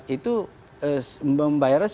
itu membayarnya sudah